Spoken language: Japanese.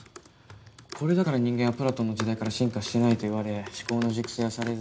これだから人間はプラトンの時代から進化してないといわれ思考の熟成はされず。